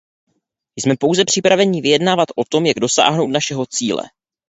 Jsme pouze připraveni vyjednávat o tom, jak dosáhnout našeho cíle.